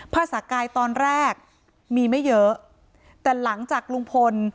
ภาษากายตอนแรกมีไม่เยอะแต่หลังจากลุงพล